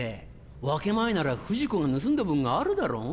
分け前なら不二子が盗んだ分があるだろ？